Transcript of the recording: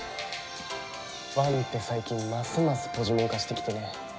伴って最近ますますポジモン化してきてね？